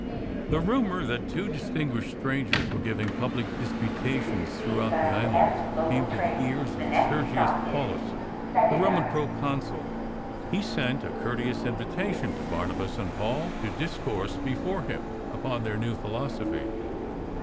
The rumour that two distinguished stran gers were giving public disputations through out the island came to the ears of Sergius Paulus, the Roman Pro Consul. He sent a courteous invitation to Barnabas and Paul to discourse before him upon their new philosophy.